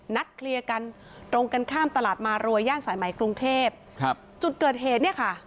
นัดเคลียร์กันตรงกันข้ามตลาดมารวยย่านสายใหม่กรุงเทพครับจุดเกิดเหตุเนี่ยค่ะ